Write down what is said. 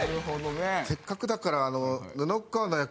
せっかくだからあの。